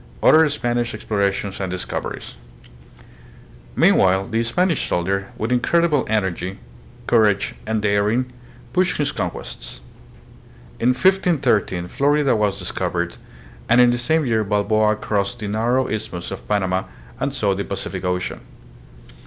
Other Spanish Explorations and Discoveries. Mean while, the Spanish soldier, with incredible energy, courage. THE GREAT GEOGRAPHICAL DISCOVERIES. 73 and daring, pushed his conquests. In 1513, Florida was discovered, and in the same year Balboa crossed the nar row isthmus of Panama and saw the Pacific Ocean.